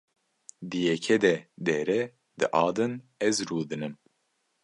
Di yekê de Dr. di a din ez rûdinim.